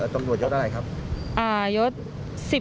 ตำรวจยศอะไรครับ